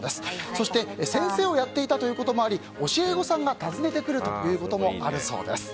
そして先生をやっていたということもあり教え子さんが訪ねてくるということもあるそうです。